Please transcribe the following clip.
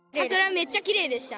めっちゃきれいでした。